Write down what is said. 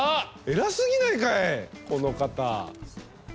偉すぎないかいこの方。